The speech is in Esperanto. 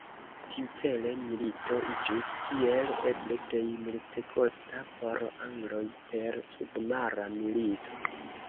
Tiucele milito iĝus kiel eble plej multekosta por angloj per submara milito.